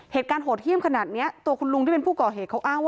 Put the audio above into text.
เหตุการณ์โหดเยี่ยมขนาดนี้ตัวคุณลุงที่เป็นผู้ก่อเหตุเขาอ้างว่า